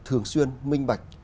thường xuyên minh bạch